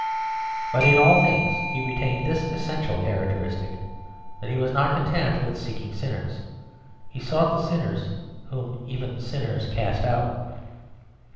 But in all things he retained this essential characteristic, that he was not content with seeking sinners he sought the sinners whom even sinners cast out.